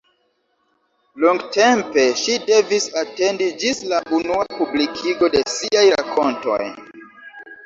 Longtempe ŝi devis atendi ĝis la unua publikigo de siaj rakontoj.